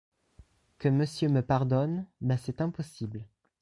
Que monsieur me pardonne, mais c’est impossible.